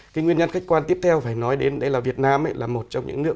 cái nguyên nhân khách quan tiếp theo phải nói đến đây là việt nam là một trong những nước